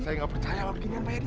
saya gak percaya warga ini pak edi